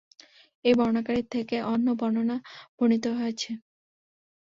এই বর্ণনাকারী থেকে অন্য একটি বর্ণনা বর্ণিত রয়েছে।